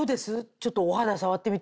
ちょっとお肌触ってみて。